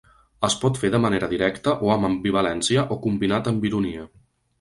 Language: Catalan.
Es pot fer de manera directa, o amb ambivalència o combinat amb ironia.